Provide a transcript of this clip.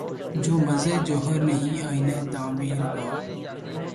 جو مزہ جوہر نہیں آئینۂ تعبیر کا